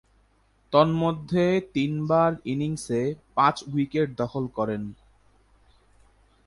তন্মধ্যে, তিনবার ইনিংসে পাঁচ-উইকেট দখল করেন।